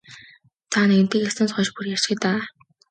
За нэгэнтээ эхэлснээс хойш бүр ярьчихъя даа.